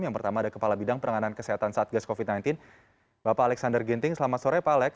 yang pertama ada kepala bidang penanganan kesehatan satgas covid sembilan belas bapak alexander ginting selamat sore pak alex